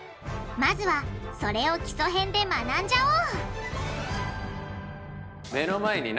まずはそれを基礎編で学んじゃおう！